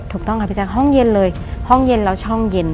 ถูกต้องค่ะพี่แจ๊คห้องเย็นเลยห้องเย็นแล้วช่องเย็น